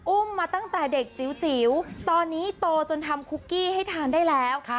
อุ้มมาตั้งแต่เด็กจิ๋วตอนนี้โตจนทำคุกกี้ให้ทานได้แล้ว